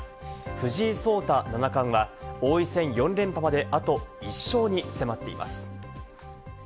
藤井聡太七冠は王位戦４連覇まで、あと１勝に迫っています。